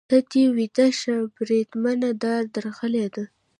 ته له دې ویده شه، بریدمنه، دا درغلي ده.